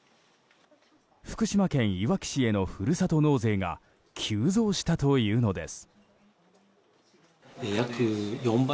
福島県いわき市へのふるさと納税が急増したというのです。